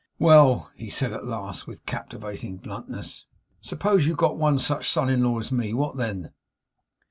'Well,' he said, at last, with captivating bluntness, 'suppose you got one such son in law as me, what then?